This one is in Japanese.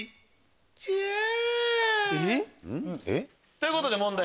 ということで問題